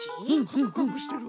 カクカクしてる。